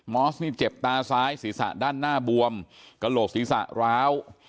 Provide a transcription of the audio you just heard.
อสนี่เจ็บตาซ้ายศีรษะด้านหน้าบวมกระโหลกศีรษะร้าว